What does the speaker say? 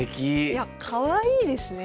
いやかわいいですね。